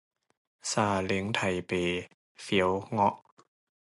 ซาเล้งไทเป เฟี๊ยวเงาะ